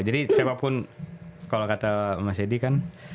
jadi siapapun kalau kata mas edi kan